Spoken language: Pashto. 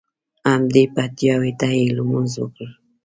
همدې پیتاوي ته یې لمونځ وکړ.